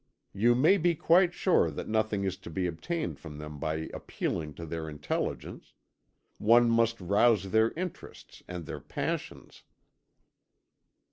You may be quite sure that nothing is to be obtained from them by appealing to their intelligence; one must rouse their interests and their passions."